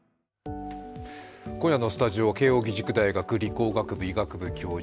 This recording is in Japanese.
今夜のスタジオは慶応義塾大学理工学部医学部教授